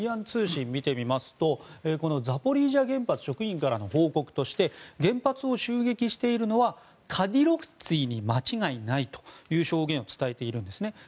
通信を見てみますとザポリージャ原発職員からの報告として原発を襲撃しているのはカディロフツィに間違いないという証言を伝えているんですね。